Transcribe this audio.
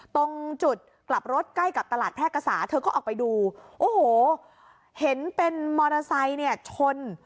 ตรงจุดกลับรถใกล้กับตลาดแพร่กษาเธอก็ออกไปดูโอ้โหเห็นเป็นมอเตอร์ไซค์เนี่ยชน